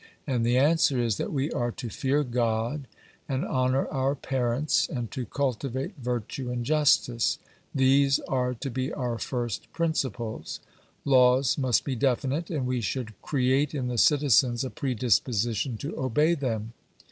And the answer is, that we are to fear God, and honour our parents, and to cultivate virtue and justice; these are to be our first principles. Laws must be definite, and we should create in the citizens a predisposition to obey them.